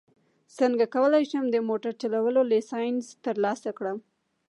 څنګه کولی شم د موټر چلولو لایسنس ترلاسه کړم